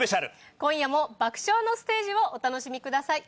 今夜も爆笑のステージをお楽しみください。